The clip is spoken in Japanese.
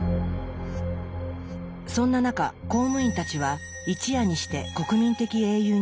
そんな中公務員たちは一夜にして国民的英雄になりました。